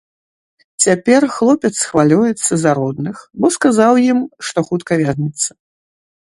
Цяпер хлопец хвалюецца за родных, бо сказаў ім, што хутка вернецца.